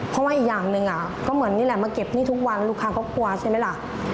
เพราะว่าอีกอย่างหนึ่งก็เหมือนนี่แหละมาเก็บหนี้ทุกวันลูกค้าก็กลัวใช่ไหมล่ะ